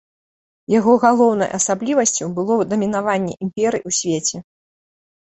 Яго галоўнай асаблівасцю было дамінаванне імперый у свеце.